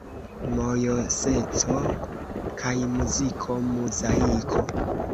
Mojoseco kaj muziko: Muzaiko!